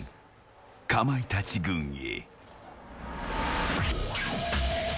かまいたち軍へ。